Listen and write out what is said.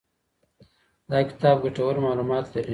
دا کتاب ګټور معلومات لري.